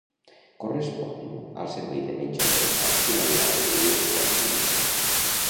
Corresponen al servei de menjador amb una durada de dues hores i mitja.